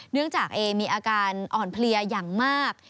เนื่องจากเอมีอาการอ่อนเพลียอย่างมาก